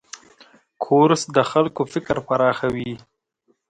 کورس د خلکو فکر پراخوي.